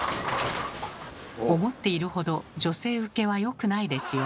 思っているほど女性ウケは良くないですよ。